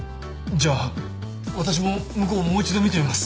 じゃあ私も向こうをもう一度見てみます。